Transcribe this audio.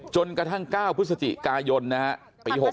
จนกระทั่ง๙พฤศจิกายนปี๑๙๖๕นะครับ